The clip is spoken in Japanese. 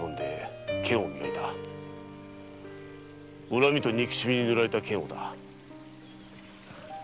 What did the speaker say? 恨みと憎しみに塗れた剣をだ。